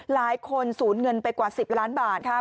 ศูนย์เงินไปกว่า๑๐ล้านบาทค่ะ